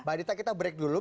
mbak adita kita break dulu